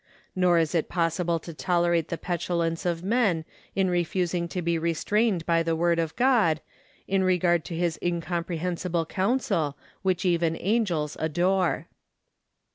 Nor is it possible to tolerate the petulance of men in refusing to be restrained by the word of God, in regard to his incomprehensible counsel, which even angels adore.